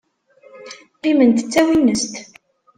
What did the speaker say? Qqiment d tawinest.